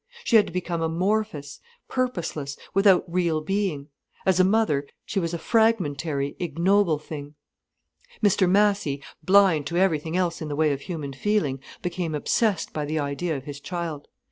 She had to become amorphous, purposeless, without real being. As a mother, she was a fragmentary, ignoble thing. Mr Massy, blind to everything else in the way of human feeling, became obsessed by the idea of his child.